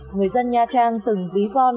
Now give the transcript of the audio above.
người dân nha trang từng ví von